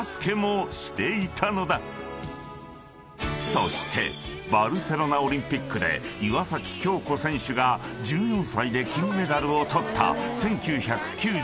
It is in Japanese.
［そしてバルセロナオリンピックで岩崎恭子選手が１４歳で金メダルを取った１９９２年］